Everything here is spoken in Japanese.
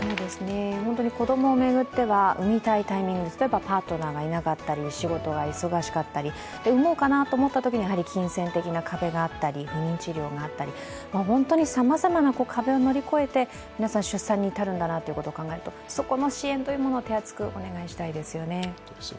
本当に子供を巡っては産みたいタイミング、例えば例えば、パートナーがいなかったり仕事が忙しかったり、産もうかなと思ったときに金銭的な壁があったり不妊治療があったり本当にさまざまな壁を乗り越えて皆さん出産に至るんだなということを考えるとそこの支援というものを手厚くお願いしたいですね。